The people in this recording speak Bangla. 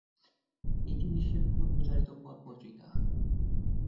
এটি বিশ্বের বহুল প্রচারিত পথ পত্রিকা।